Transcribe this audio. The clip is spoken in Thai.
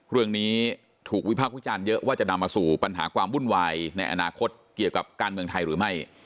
เรื่องนี้ถูกวิพากษ์วิจารณ์เยอะว่าจะนำมาสู่ปัญหาความวุ่นวายในอนาคตเกี่ยวกับการเมืองไทยหรือไม่